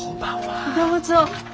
どうぞ。